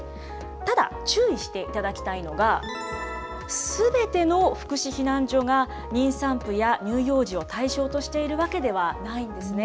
ただ、注意していただきたいのが、すべての福祉避難所が妊産婦や乳幼児を対象としているわけではないんですね。